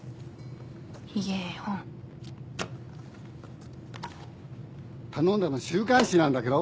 ひげ絵本頼んだの週刊誌なんだけど！